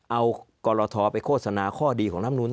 เอากรทไปโฆษณาข้อดีของลำนูน